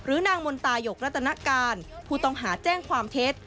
นางมนตายกรัตนการผู้ต้องหาแจ้งความเท็จ